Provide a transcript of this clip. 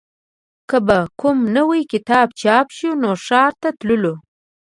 که به کوم نوی کتاب چاپ شو نو ښار ته تللو